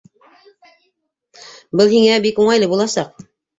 Был һиңә бик уңайлы буласаҡ.